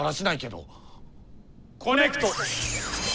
・コネクト！